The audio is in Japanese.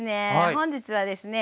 本日はですね